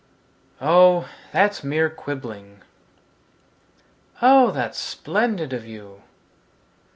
Oh, that's mere quibbling Oh, that's splendid of you!